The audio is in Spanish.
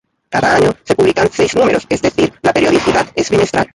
Cada año se publican seis números, es decir, la periodicidad es bimestral.